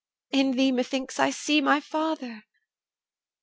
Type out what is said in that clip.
in thee methinks I see my father.